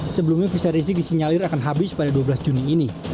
sebelumnya visa rizik disinyalir akan habis pada dua belas juni ini